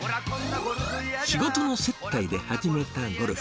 仕事の接待で始めたゴルフ。